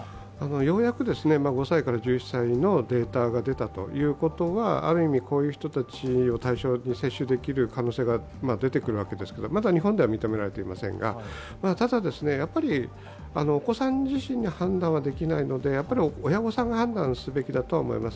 ようやく５１１歳のデータが出たということは、ある意味、こういう人たちを対象に接種できる可能性が出てくるわけですけれども、まだ日本では認められていませんが、ただ、やっぱりお子さん自身に判断はできませんので親御さんが判断すべきだとは思います。